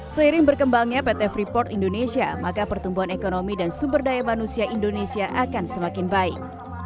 seiring berkembangnya pt freeport indonesia maka pertumbuhan ekonomi dan sumber daya manusia indonesia akan semakin baik